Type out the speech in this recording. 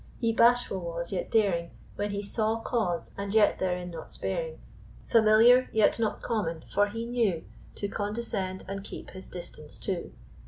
He bashful was, yet daring When he saw cause, and yet therein not sparing; Familiar, yet not common, for he knew To condescend, and keep his distance too.